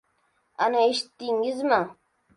— Ana, eshitdingizmi?